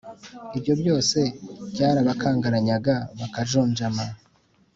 ibyo byose byarabakangaranyaga, bakajunjama.